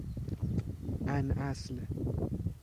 عن اصل